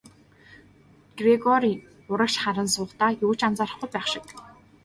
Грегори урагш харан суухдаа юу ч анзаарахгүй байх шиг.